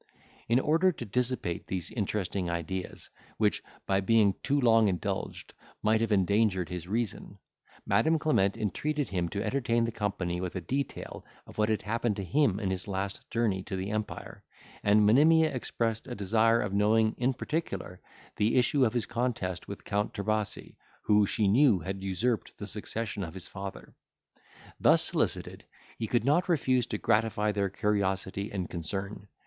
In order to dissipate these interesting ideas, which, by being too long indulged, might have endangered his reason, Madam Clement entreated him to entertain the company with a detail of what had happened to him in his last journey to the empire, and Monimia expressed a desire of knowing, in particular, the issue of his contest with Count Trebasi, who, she knew, had usurped the succession of his father. Thus solicited, he could not refuse to gratify their curiosity and concern.